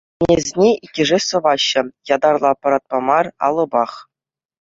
Ӗнесене иккӗшӗ сӑваҫҫӗ, ятарлӑ аппаратпа мар, алӑпах.